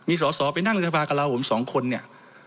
มีสสไปนั่งในสภาคลาโหม๒คนนี่